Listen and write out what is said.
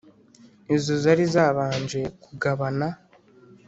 izo yari yabanje kugabana